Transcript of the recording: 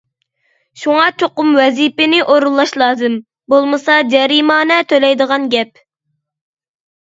شۇڭا چوقۇم ۋەزىپىنى ئورۇنلاش لازىم، بولمىسا جەرىمانە تۆلەيدىغان گەپ!